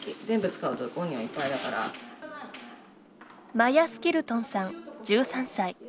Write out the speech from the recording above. マヤ・スキルトンさん、１３歳。